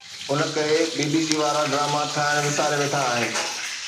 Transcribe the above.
ان ڪري B B C وارا drama ٺاهڻ وساري ويٺا آهن